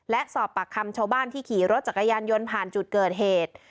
และสอบปากคำชาวบ้านที่ขี่รถจักรยานยนต์ผ่านจุดเกิดเหตุ